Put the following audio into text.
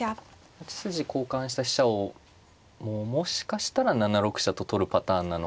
８筋交換した飛車をもうもしかしたら７六飛車と取るパターンなのか。